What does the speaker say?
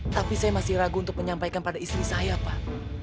tapi saya masih ragu untuk menyampaikan pada istri saya pak